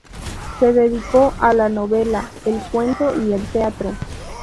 Se dedicó a la novela, el cuento y el teatro.